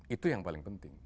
itu yang paling penting